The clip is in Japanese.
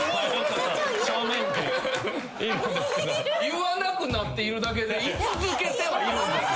言わなくなっているだけで居続けてはいるんです。